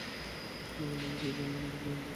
এর মানে কি জানো, অ্যামলেথ- অরভান্দিলের ছেলে?